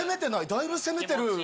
だいぶ攻めてる。